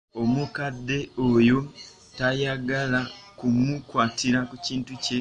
Omukadde oyo tayagala kumukwatira ku kintu kye.